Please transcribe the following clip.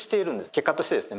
結果としてですね